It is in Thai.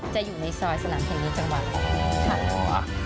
จะอยู่ในซอยสนามเทนนิตจังหวัด